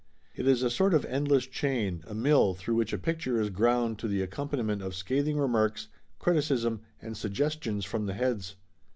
It is a sort of end less chain, a mill, through which a picture is ground to the accompaniment of scathing remarks, criticism and suggestions from the heads.